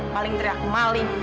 maling teriak kemaling